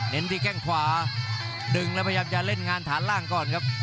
ที่แข้งขวาดึงแล้วพยายามจะเล่นงานฐานล่างก่อนครับ